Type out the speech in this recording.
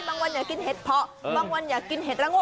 วันอยากกินเห็ดเพาะบางวันอยากกินเห็ดระโง่